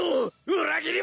裏切り者！